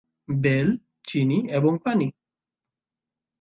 Bell, চিনি এবং পানি।